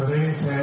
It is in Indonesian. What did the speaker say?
terus sama ceri